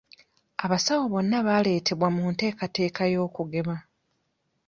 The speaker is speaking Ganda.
Abasawo bonna baaleetebwa mu nteekateeka y'okugema.